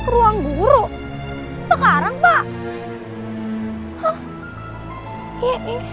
ruang guru sekarang pak